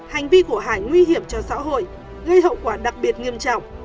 hành vi của hải nguy hiểm cho xã hội gây hậu quả đặc biệt nghiêm trọng